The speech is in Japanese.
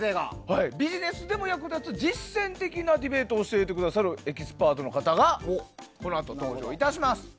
ビジネスでも役に立つ実践的なディベートを教えてくださるエキスパートの方がこのあと登場いたします。